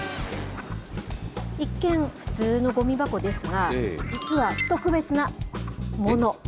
一見、普通のゴミ箱ですが、実は特別なもの。